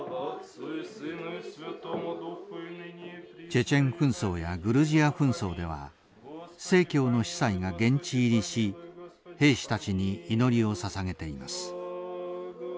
チェチェン紛争やグルジア紛争では正教の司祭が現地入りし兵士たちに祈りをささげています。